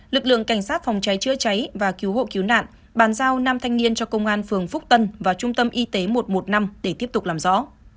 lực lượng cảnh sát phòng cháy chữa cháy và cứu hộ cứu nạn bàn giao năm thanh niên cho công an phường phúc tân và trung tâm y tế một trăm một mươi năm để tiếp tục làm rõ